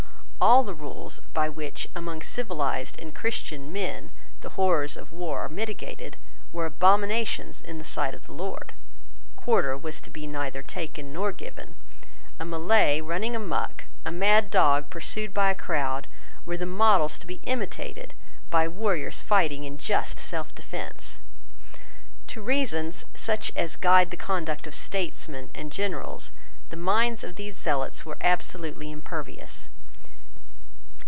All the rules, by which, among civilised and Christian men, the horrors of war are mitigated, were abominations in the sight of the Lord. Quarter was to be neither taken nor given. A Malay running a muck, a mad dog pursued by a crowd, were the models to be imitated by warriors fighting in just self defence. To reasons such as guide the conduct of statesmen and generals the minds of these zealots were absolutely impervious.